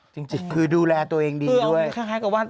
จริงคือดูแลตัวเองดีด้วยคล้ายกับว่า